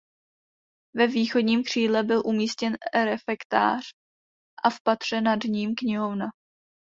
Ve východním křídle byl umístěn refektář a v patře nad ním knihovna.